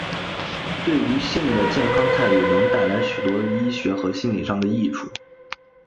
对于性的健康态度能带来许多医学和心里上的益处。